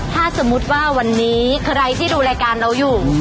ถ้าสมมุติว่าวันนี้ใครที่ดูรายการเราอยู่